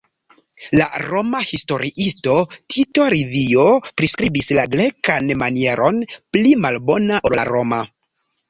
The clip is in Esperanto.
La Roma historiisto Tito Livio priskribis la grekan manieron pli malbona ol la roma.